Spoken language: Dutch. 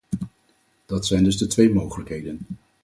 Dat zijn dus de twee mogelijkheden.